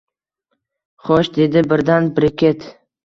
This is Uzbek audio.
Xo`sh, dedi birdan Brekket